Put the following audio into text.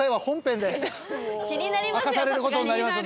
気になりますよ